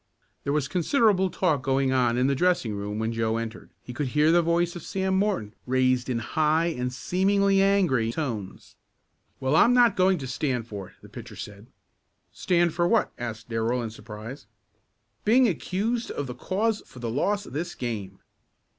There was considerable talk going on in the dressing room when Joe entered. He could hear the voice of Sam Morton raised in high and seemingly angry tones. "Well, I'm not going to stand for it!" the pitcher said. "Stand for what?" asked Darrell in surprise. "Being accused of the cause for the loss of this game!"